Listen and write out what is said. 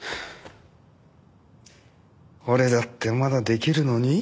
俺だってまだできるのに。